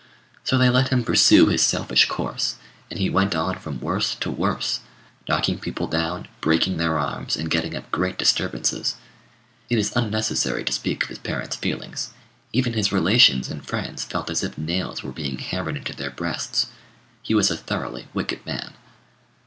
So they let him pursue his selfish course; and he went on from worse to worse, knocking people down, breaking their arms, and getting up great disturbances. It is unnecessary to speak of his parents' feelings. Even his relations and friends felt as if nails were being hammered into their breasts. He was a thoroughly wicked man.